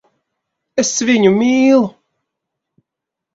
Es viņu mīlu.